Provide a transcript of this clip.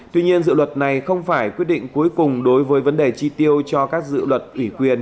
tuy nhiên dự luật này không phải quyết định cuối cùng đối với vấn đề chi tiêu cho các dự luật ủy quyền